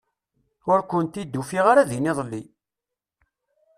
Ur kent-id-ufiɣ ara din iḍelli.